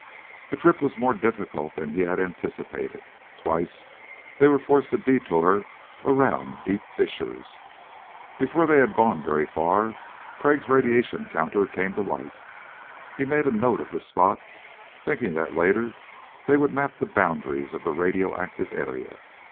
The trip was more difficult than he had anticipated. Twice they were forced to detour around deep fissures. Before they had gone very far Crag's radiation counter came to life. He made a note of the spot thinking that later they would map the boundaries of the radioactive area.